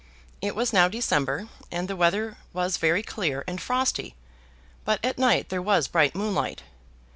It was now December, and the weather was very clear and frosty, but at night there was bright moonlight.